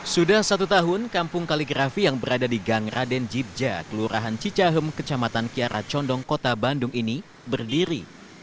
sudah satu tahun kampung kaligrafi yang berada di gang raden jibja kelurahan cicahem kecamatan kiara condong kota bandung ini berdiri